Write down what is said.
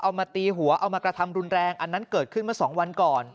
มาตีหัวเอามากระทำรุนแรงอันนั้นเกิดขึ้นเมื่อสองวันก่อน